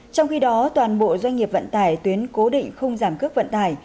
trong khi đó toàn bộ doanh nghiệp vận tải tuyến cố định không giảm cước vận tải